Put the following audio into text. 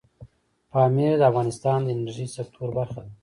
پامیر د افغانستان د انرژۍ سکتور برخه ده.